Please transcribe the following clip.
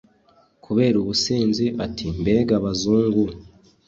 kubera ubusinzi. ati mbega abazungu